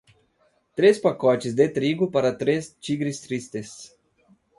três pacotes de trigo para três tigres tristes